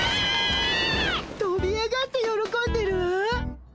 とび上がってよろこんでるわ。